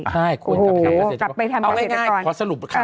คุณกลับไปทำการเศรษฐกรณ์ก่อนเอาง่ายขอสรุปค่ะ